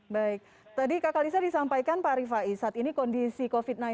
baik tadi kak kalisa disampaikan pak rifa isat ini kondisi covid sembilan belas